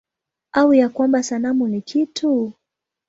Au ya kwamba sanamu ni kitu?